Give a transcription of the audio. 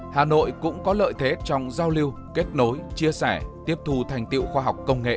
hà nội cũng có lợi thế trong giao lưu kết nối chia sẻ tiếp thù thành tiệu khoa học công nghệ